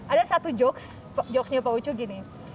ada satu jokes jokesnya pak ucu gini